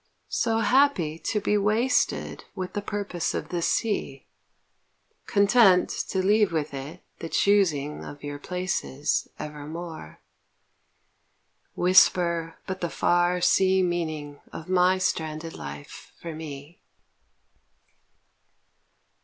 So happy to be wasted with the purpose of the sea, Content to leave with it the choosing Of your places Evermore, Whisper but the far sea meaning of my stranded life for me.